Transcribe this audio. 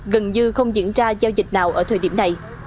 gần như không diễn ra giao dịch nào ở thời điểm này